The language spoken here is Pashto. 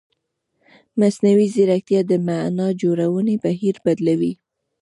مصنوعي ځیرکتیا د معنا جوړونې بهیر بدلوي.